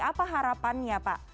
apa harapannya pak